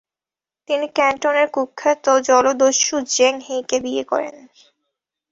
তিনি ক্যান্টোনের কুখ্যাত জলদস্যু জেং হিকে বিয়ে করেন।